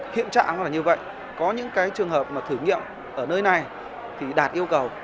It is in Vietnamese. hiện trạng là như vậy có những trường hợp thử nghiệm ở nơi này thì đạt yêu cầu